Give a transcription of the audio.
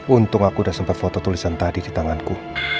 untung aku udah sempat foto tulisan tadi di tanganku